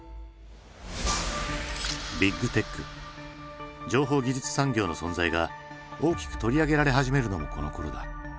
ビッグテック情報技術産業の存在が大きく取り上げられ始めるのもこのころだ。